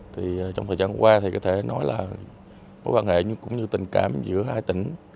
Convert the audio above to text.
thì trong thời gian qua thì có thể nói là mối quan hệ cũng như tình cảm giữa hai tỉnh